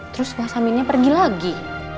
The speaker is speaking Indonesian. terus wasaminnya pergi lagi